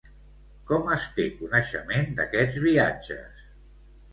Com es té coneixement d'aquests viatges?